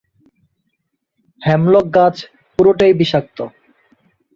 Hemlock গাছ পুরোটাই বিষাক্ত।